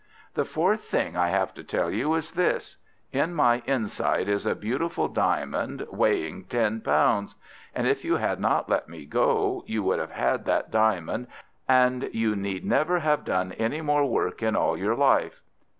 "The fourth thing I have to tell you is this: In my inside is a beautiful diamond, weighing ten pounds. And if you had not let me go, you would have had that diamond, and you need never have done any more work in all your life."